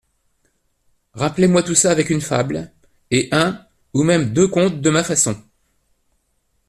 Rappelez-moi tout cela, avec une fable et un ou même deux contes de ma façon.